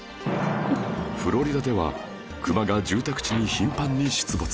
フロリダではクマが住宅地に頻繁に出没